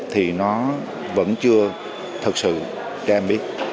thì nó vẫn chưa thực sự cho em biết